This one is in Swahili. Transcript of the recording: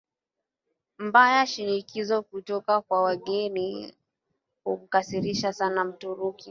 Mbaya Shinikizo kutoka kwa wageni humkasirisha sana Mturuki